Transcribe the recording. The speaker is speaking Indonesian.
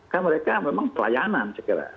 kan mereka memang pelayanan saya kira